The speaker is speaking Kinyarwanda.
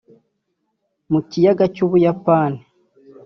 mu kiyaga c'Ubuyapani